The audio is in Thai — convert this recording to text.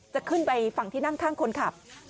จะขึ้นไปฝั่งที่นั่งข้างคนขับ